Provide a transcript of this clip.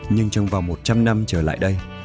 nhưng trong vòng một trăm linh năm trở lại đây